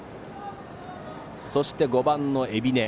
そして、５番の海老根。